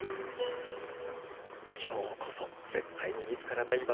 今日こそ絶対に見つからない場所に。